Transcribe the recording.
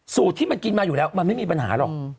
สูตรที่มันกินมาอยู่แล้วมันไม่มีปัญหาหรอก